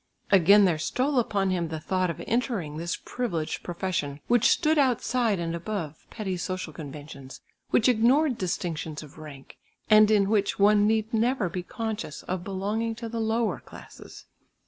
Again there stole upon him the thought of entering this privileged profession, which stood outside and above petty social conventions which ignored distinctions of rank, and in which one need never be conscious of belonging to the lower classes.